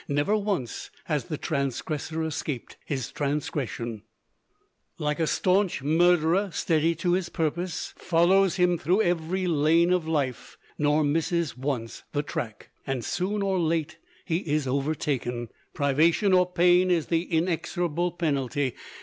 Never once has the transgressor escaped. His transgression, "Like a staunch murderer steady to his purpose, Follows him through every lane of life, Nor misses once the track," and soon or late he is overtaken. Privation or pain is the inexorable penalty.